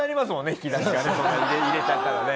引き出しがねそんな入れちゃったらね。